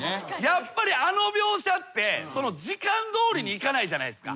やっぱりあの描写って時間どおりにいかないじゃないですか。